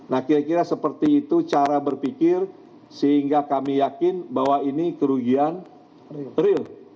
nah kira kira seperti itu cara berpikir sehingga kami yakin bahwa ini kerugian real